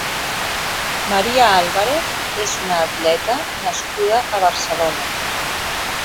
María Álvarez és una atleta nascuda a Barcelona.